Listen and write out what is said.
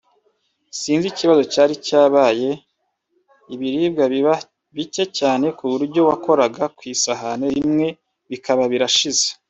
sinzi ikibazo cyari cyabaye ibiribwa biba bike cyane ku buryo wakoraga ku isahane rimwe bikaba birashize